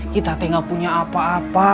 kita tidak punya apa apa